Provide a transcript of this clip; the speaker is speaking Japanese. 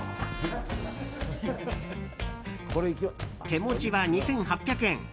手持ちは２８００円。